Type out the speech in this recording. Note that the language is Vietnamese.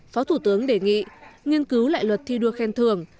phó thủ tướng đề nghị nghiên cứu lại luật thi đua khen thường